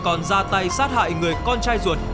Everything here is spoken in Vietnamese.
còn ra tay sát hại người con trai ruột